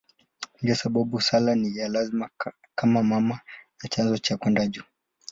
Ndiyo sababu sala ni ya lazima kama mama na chanzo cha kwenda juu.